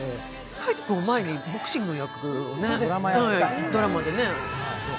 海音君は前にボクサーの役をドラマでね。